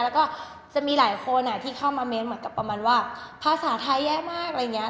แล้วก็จะมีหลายคนที่เข้ามาเม้นต์เหมือนกับประมาณว่าภาษาไทยแย่มากอะไรอย่างนี้